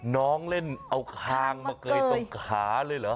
น้องเล่นเอาคางมาเกยตรงขาเลยเหรอ